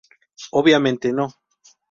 Obviamente no.